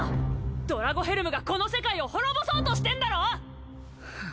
ドラゴヘルムがこの世界を滅ぼそうとしてんだろ！